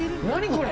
これ。